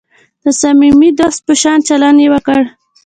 د صمیمي دوست په شان چلند یې وکړ.